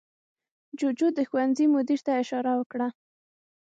جوجو د ښوونځي مدیر ته اشاره وکړه.